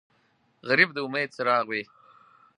غریب د امید څراغ وي